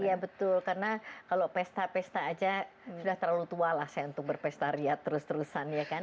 iya betul karena kalau pesta pesta aja sudah terlalu tua lah saya untuk berpesta riat terus terusan ya kan